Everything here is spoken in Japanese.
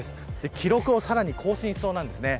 記録をさらに更新しそうなんですね。